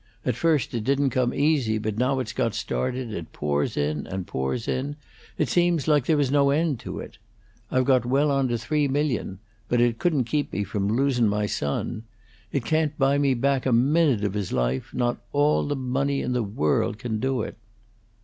At first it didn't come easy; but now it's got started it pours in and pours in; it seems like there was no end to it. I've got well on to three million; but it couldn't keep me from losin' my son. It can't buy me back a minute of his life; not all the money in the world can do it!"